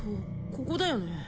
ここだよね？